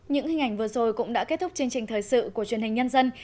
những hình ảnh vừa rồi cũng đã kết thúc chương trình thời sự của truyền hình nhân dân